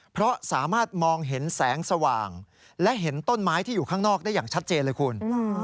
เพราะสามารถมองเห็นแสงสว่างและเห็นต้นไม้ที่อยู่ข้างนอกได้อย่างชัดเจนเลยคุณ